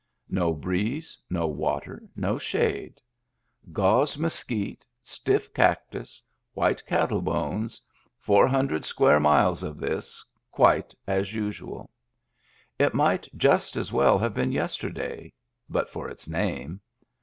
No breeze, no water, no shade; gauze mesquite, stiff cactus, white cattle bones — four hundred square miles of this, quite as usual. It might just as well have been yesterday, but for its name.